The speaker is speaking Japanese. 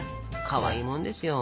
かわいいもんですよ。